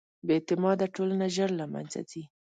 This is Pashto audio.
بېاعتماده ټولنه ژر له منځه ځي.